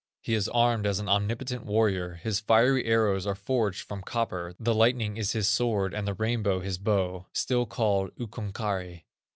He is armed as an omnipotent warrior; his fiery arrows are forged from copper, the lightning is his sword, and the rainbow his bow, still called Ukkon Kaari.